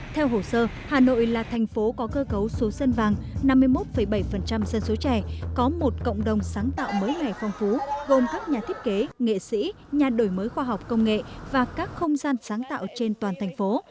theo hồ sơ hà nội là thành phố có cơ cấu số dân vàng năm mươi một bảy dân số trẻ có một cộng đồng sáng tạo mới ngày phong phú gồm các nhà thiết kế nghệ sĩ nhà đổi mới khoa học công nghệ và các không gian sáng tạo trên toàn thành phố